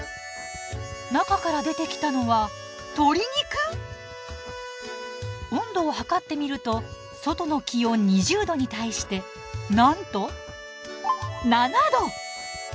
中から出てきたのは鶏肉⁉温度を測ってみると外の気温２０℃に対してなんと７℃！